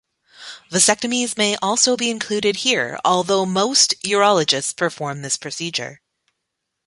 Vasectomies may also be included here, although most urologists perform this procedure.